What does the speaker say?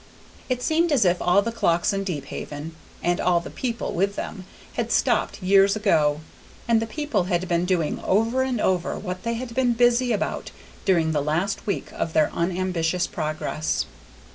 It seemed as if all the clocks in Deephaven, and all the people with them, had stopped years ago, and the people had been doing over and over what they had been busy about during the last week of their unambitious progress.